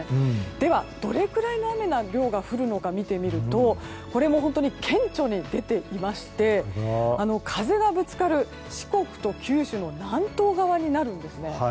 ではどれくらいの雨の量が降るのか見てみるとこれも顕著に出ていまして風がぶつかる四国と九州の南東側になるんですね。